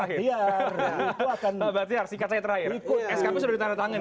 pak bahtiar singkat saja terakhir skb sudah ditandatangani